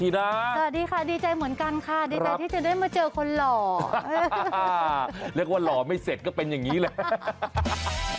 เรียกว่าหล่อไม่เสร็จก็เป็นอย่างเนี้ยแหละ